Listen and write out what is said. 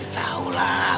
ya tahu lah